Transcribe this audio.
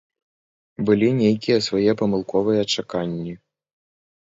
Былі нейкія свае памылковыя чаканні.